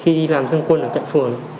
khi làm dân quân ở trạng phường